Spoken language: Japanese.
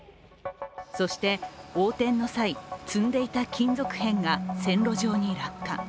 そして、横転の際積んでいた金属片が線路上に落下。